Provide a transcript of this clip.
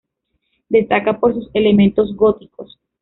Destaca por sus elementos góticos.